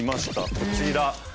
こちら。